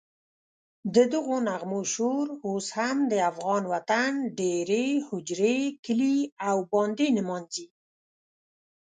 ددغو نغمو شور اوس هم د افغان وطن دېرې، هوجرې، کلي او بانډې نمانځي.